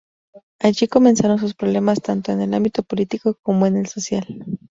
Allí comenzaron sus problemas tanto en el ámbito político como en el social.